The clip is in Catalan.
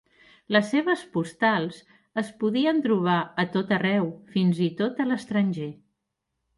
Les seves postals es podien trobar a tot arreu, fins i tot a l'estranger.